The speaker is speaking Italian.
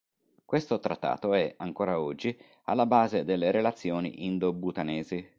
Questo trattato è, ancora oggi, alla base delle relazioni Indo-Bhutanesi.